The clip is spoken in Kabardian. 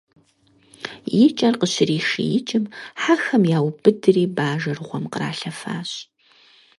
И кӀэр къыщришиикӀым, хьэхэм яубыдри бажэр гъуэм къралъэфащ.